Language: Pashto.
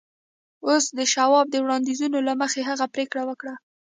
اوس د شواب د وړانديزونو له مخې هغه پرېکړه وکړه.